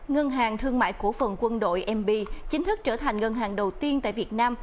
ngân hàng thương mại cổ phần quân đội mb chính thức trở thành ngân hàng đầu tiên tại việt nam